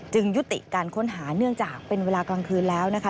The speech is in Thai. ยุติการค้นหาเนื่องจากเป็นเวลากลางคืนแล้วนะคะ